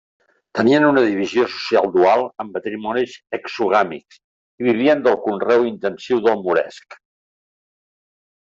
Tenien una divisió social dual amb matrimonis exogàmics, i vivien del conreu intensiu del moresc.